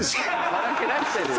さらけ出してるよ。